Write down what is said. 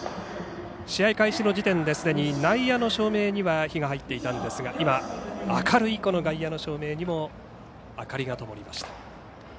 試合開始の時点ですでに内野の照明には灯が入っていたんですが明るい外野の照明にも明かりがともりました。